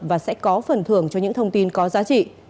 và sẽ có phần thưởng cho những thông tin có giá trị